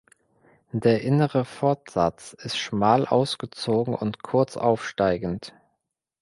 Der innere Fortsatz ist schmal ausgezogen und kurz aufsteigend.